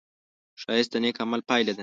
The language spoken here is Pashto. ښایست د نېک عمل پایله ده